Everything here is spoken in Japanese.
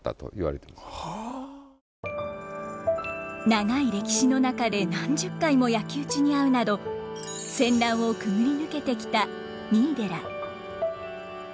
長い歴史の中で何十回も焼き打ちに遭うなど戦乱を潜り抜けてきた三井寺。